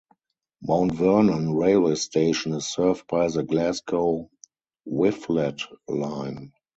Mount Vernon railway station is served by the Glasgow - Whifflet line.